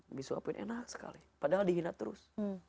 nabi suapin enak sekali padahal dihina terus